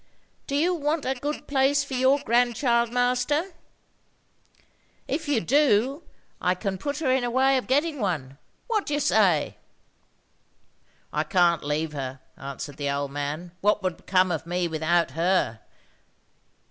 —Do you want a good place for your grandchild, master? If you do, I can put her in a way of getting one. What do you say?" "I can't leave her," answered the old man. "What would become of me without her?"